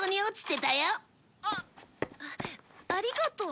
あっありがとう。